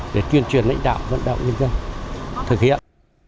để tuyên truyền lãnh đạo vận động nhân dân thực hiện